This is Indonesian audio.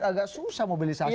agak susah mobilisasi